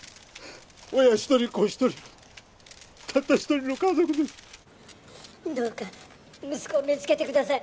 親一人子一人たった一人の家族ですどうか息子を見つけてください